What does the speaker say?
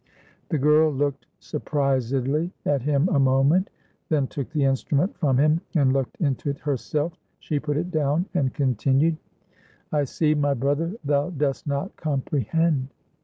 The girl looked surprisedly at him a moment; then took the instrument from him, and looked into it herself. She put it down, and continued. "I see, my brother, thou dost not comprehend.